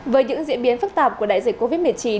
với những diễn biến phức tạp của đại dịch covid một mươi chín